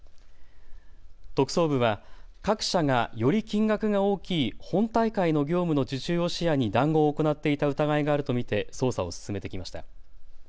特捜部は各社がより金額が大きい本大会の業務の受注を視野に談合を行っていた疑いがあると見て捜査を進めてきました。